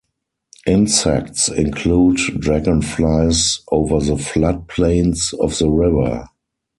Insects include dragonflies over the flood plains of the river.